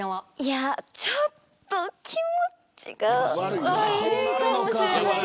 ちょっと気持ちが悪いかもしれない。